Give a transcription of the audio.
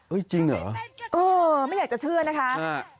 จริงเหรอเออไม่อยากจะเชื่อนะคะ